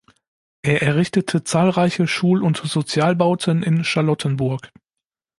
Er errichtete zahlreiche Schul- und Sozialbauten in Charlottenburg.